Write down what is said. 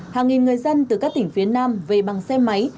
hàng nghìn người dân từ các tỉnh phía nam về bằng xe máy